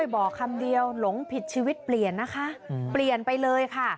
บอกคำเดียวหลงผิดชีวิตเปลี่ยนนะคะเปลี่ยนไปเลยค่ะ